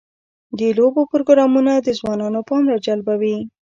د لوبو پروګرامونه د ځوانانو پام راجلبوي.